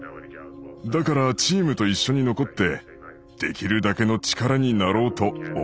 だからチームと一緒に残ってできるだけの力になろうと思ったんです。